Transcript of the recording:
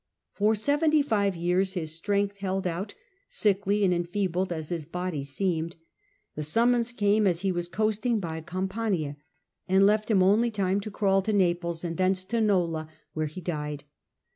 For seventy five years his strength held out, sickly and enfeebled as his body seemed. The summons came as he was coasting by Campania, and left him only time to crawl to Naples and thence to Nola, where piedat he died.